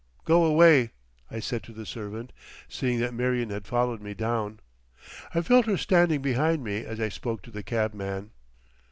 "Go away," I said to the servant, seeing that Marion had followed me down. I felt her standing behind me as I spoke to the cab man.